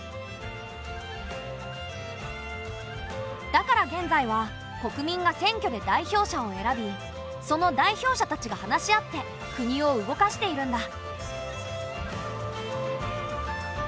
だから現在は国民が選挙で代表者を選びその代表者たちが話し合って国を動かしているんだ。